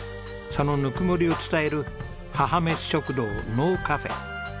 そのぬくもりを伝える母めし食堂のうカフェ。